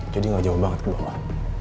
jadi gak jauh banget ke bawah